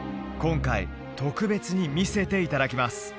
今回特別に見せていただきます